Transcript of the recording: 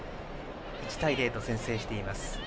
１対０と先制しています。